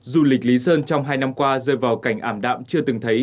du lịch lý sơn trong hai năm qua rơi vào cảnh ảm đạm chưa từng thấy